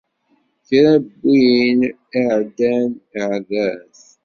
Kra n win iɛeddan, iɛerra-t.